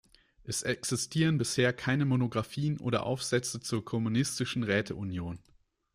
Es existieren bisher keine Monographien oder Aufsätze zur Kommunistischen Räte-Union.